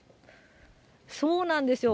そうなんですよ。